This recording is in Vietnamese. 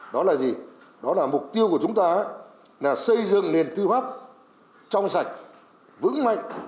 đó là gì đó là mục tiêu của chúng ta là xây dựng nền tư pháp trong sạch vững mạnh